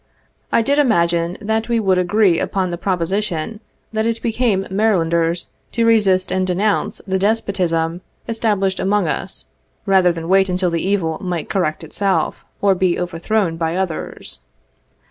I did imagine that we would agree upon the proposition that it became Marylauders to resist and denounce the despotism established among us, rather than wait until the evil might correct itself, or be over thrown by others.